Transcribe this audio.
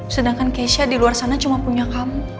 sedangkan keisha di luar sana cuma punya kamu